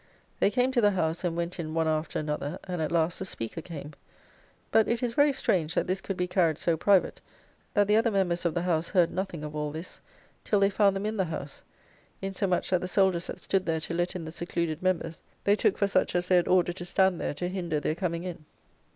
They came to the House and went in one after another, and at last the Speaker came. But it is very strange that this could be carried so private, that the other members of the House heard nothing of all this, till they found them in the House, insomuch that the soldiers that stood there to let in the secluded members, they took for such as they had ordered to stand there to hinder their coming in.